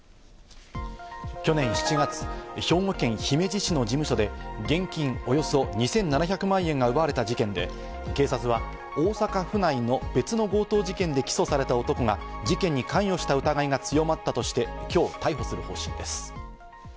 去年７月、兵庫県姫路市の事務所で現金およそ２７００万円が奪われた事件で、警察は大阪府内の別の強盗事件で起訴された男が事件に関与した疑いが強まったとして、きょう逮捕する方針です。